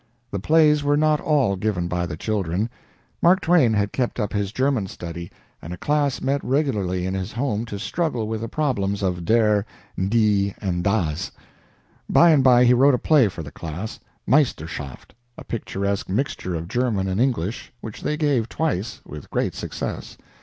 The plays were not all given by the children. Mark Twain had kept up his German study, and a class met regularly in his home to struggle with the problems of der, die, and das. By and by he wrote a play for the class, "Meisterschaft," a picturesque mixture of German and English, which they gave twice, with great success.